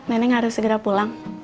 nenek harus segera pulang